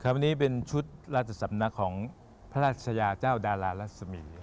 วันนี้เป็นชุดราชสำนักของพระราชยาเจ้าดารารัศมี